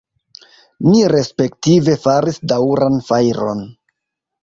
Ni respektive faris daŭran fajron.